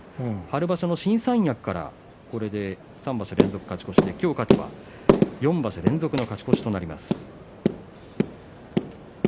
春場所の新三役から３場所連続勝ち越しで今日、勝てば４場所連続の勝ち越しとなります。